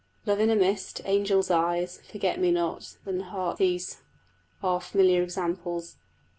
Love in a mist, angels' eyes, forget me not, and heartsease, are familiar examples.